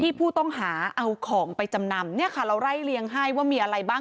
ผู้ต้องหาเอาของไปจำนำเนี่ยค่ะเราไล่เลี้ยงให้ว่ามีอะไรบ้าง